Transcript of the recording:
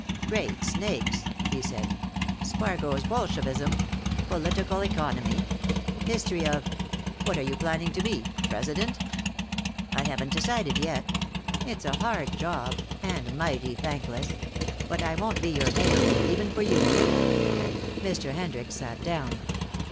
"Great snakes!" he said. "Spargo's Bolshevism! Political Economy, History of . What are you planning to be? President?" "I haven't decided yet. It's a hard job, and mighty thankless. But I won't be your mayor, even for you." Mr. Hendricks sat down.